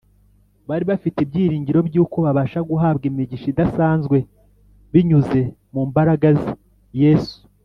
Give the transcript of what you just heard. . Bari bafite ibyiringiro by’uko babasha guhabwa imigisha idasanzwe binyuze mu mbaraga ze (Yesu)